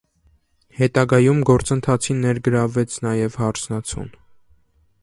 Հետագայում գործընթացին ներգրավվեց նաև հարսնացուն։